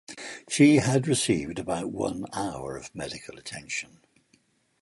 She had received about one hour of medical attention.